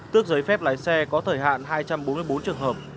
tức giới phép lái xe có thời hạn hai trăm bốn mươi bốn trường hợp